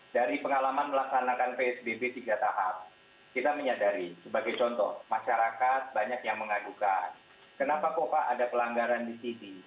dari pengalaman melaksanakan psbb tiga tahap kita menyadari sebagai contoh masyarakat banyak yang mengagukan kenapa kok pak ada pelanggaran di sini